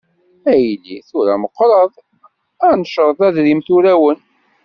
A yelli, tura meqqreḍ, ad necreḍ adrim d urawen.